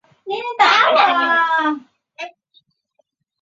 赵谦人。